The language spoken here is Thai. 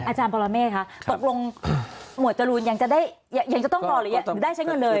อาจารย์ปรมาเมฆค่ะตกลงหมวดจรูนยังจะต้องรอหรือได้ใช้กันเลย